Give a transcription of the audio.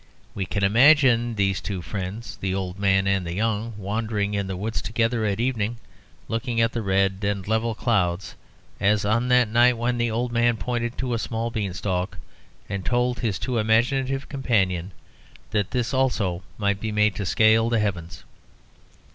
We can imagine these two friends, the old man and the young, wandering in the woods together at evening, looking at the red and level clouds, as on that night when the old man pointed to a small beanstalk, and told his too imaginative companion that this also might be made to scale the heavens.